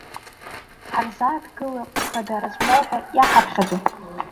Ҳарзааҭгылап хадара змоу ҳәа иаҳаԥхьаӡо.